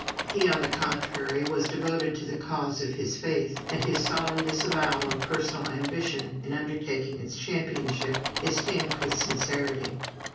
He, on the contrary, was devoted to the cause of his faith, and his solemn disavowal of personal ambition in undertaking its championship is stamped with sincerity.